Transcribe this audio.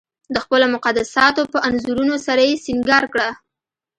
د خپلو مقدساتو په انځورونو سره یې سنګار کړه.